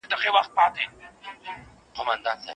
احمد پرون له کوره دباندي ووتی.